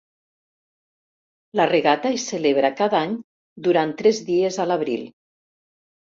La regata es celebra cada any durant tres dies a l'abril.